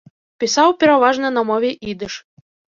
Пісаў пераважна на мове ідыш.